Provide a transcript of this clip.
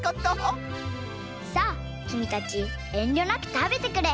さあきみたちえんりょなくたべてくれ。